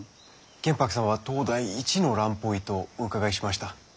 玄白さんは当代一の蘭方医とお伺いしました。